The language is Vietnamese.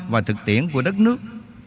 và thực tiễn của đất nước